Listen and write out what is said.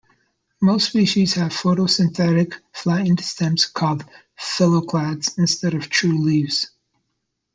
Most species have photosynthetic flattened stems, called phylloclades, instead of true leaves.